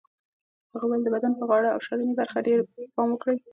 هغه وویل د بدن پر غاړه او شاتنۍ برخه ډېر پام وکړئ.